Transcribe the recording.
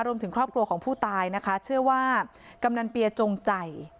รวมถึงครอบครัวของผู้ตายนะคะเชื่อว่ากำนันเปียจงใจ